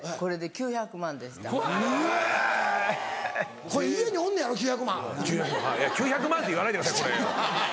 「９００万」って言わないでくださいこれを。